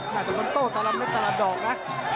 น่าถึงว่าโต้ตรำเลยตรำดอกนะ